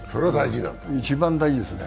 一番大事ですね。